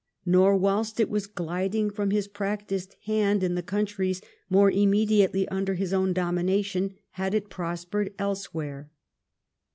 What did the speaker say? Nor, whilst it was gliding from his practised hand in the countries more immediately under his own domination, had it prospered elsewhere.